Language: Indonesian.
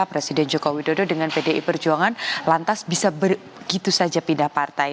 presiden joko widodo dengan pdi perjuangan lantas bisa begitu saja pindah partai